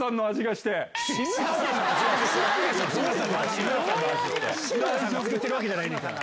志村さんが作ってるわけじゃないねんから。